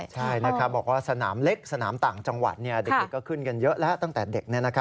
ใช่นะครับบอกว่าสนามเล็กสนามต่างจังหวัดเด็กก็ขึ้นกันเยอะแล้วตั้งแต่เด็ก